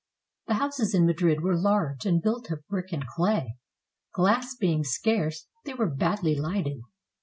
The houses in Madrid were large and built of brick and clay. Glass being scarce, they were badly lighted.